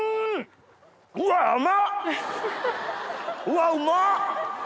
うわうまっ！